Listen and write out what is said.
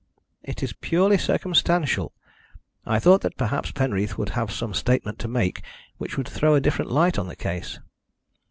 "It is purely circumstantial. I thought that perhaps Penreath would have some statement to make which would throw a different light on the case."